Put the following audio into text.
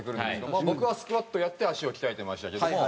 まあ僕はスクワットをやって足を鍛えてましたけども。